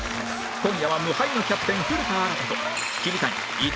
今夜は無敗のキャプテン古田新太と桐谷伊藤